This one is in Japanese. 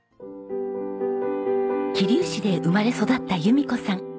桐生市で生まれ育った弓子さん。